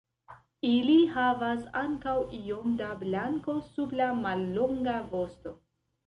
Ili havas ankaŭ iom da blanko sub la mallonga vosto.